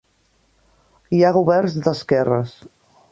Hi ha governs d'esquerres.